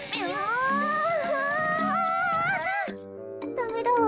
ダメだわ。